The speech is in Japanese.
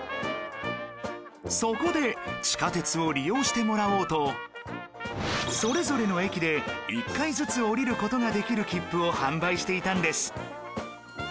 そこで地下鉄を利用してもらおうとそれぞれの駅で１回ずつ降りる事ができる切符を販売していたんです